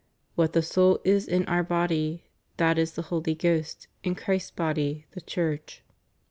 " What the soul is in our body, that is the Holy Ghost in Christ's body, the Church."'